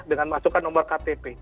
bukan nomor ktp